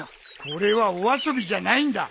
これはお遊びじゃないんだ。